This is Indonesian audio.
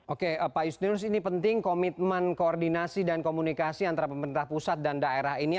oke pak justinus ini penting komitmen koordinasi dan komunikasi antara pemerintah pusat dan daerah ini